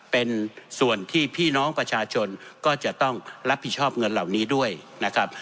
เป็นส่วนที่พี่น้องประชาชนก็จะต้องรับผิดชอบเงินเหล่านี้ด้วยนะครับ